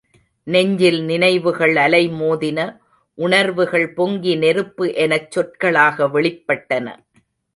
நெஞ்சில் நினைவுகள் அலைமோதின, உணர்வுகள் பொங்கி நெருப்பு எனச் சொற்களாக வெளிப்பட்டன.